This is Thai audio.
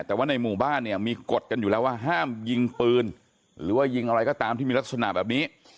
แต่ว่าในหมู่บ้านเนี่ยมีกฎกันอยู่แล้วว่าห้ามยิงปืนหรือว่ายิงอะไรก็ตามที่มีลักษณะแบบนี้